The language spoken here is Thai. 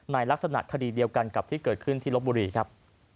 ลักษณะคดีเดียวกันกับที่เกิดขึ้นที่ลบบุรีครับ